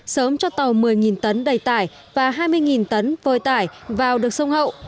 sớm cho tàu một mươi tấn đầy tải và hai mươi tấn vơi tải vào được sông hậu